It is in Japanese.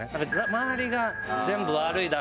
周りが全部悪いだろうなって